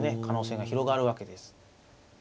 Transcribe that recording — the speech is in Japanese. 可能性が広がるわけです。